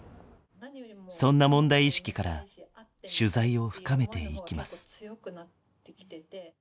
そんな問題意識から取材を深めていきます。